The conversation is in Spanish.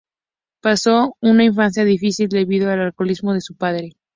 Pasó una infancia difícil debido al alcoholismo de su padre.